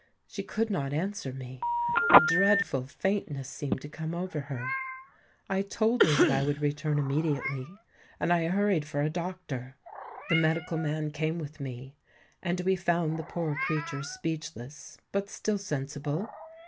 She could not answer me: a dreadful faintness seemed to come over her. I told her that I would return immediately; and I hurried for a doctor. The medical man came with me; and we found the poor creature speechless, but still sensible.